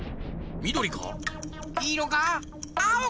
みどりか？